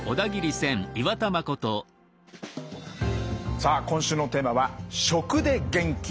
さあ今週のテーマは「『食』で元気に！」